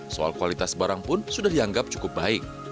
soal kualitas barang pun sudah dianggap cukup baik